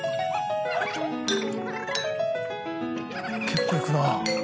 結構いくなぁ。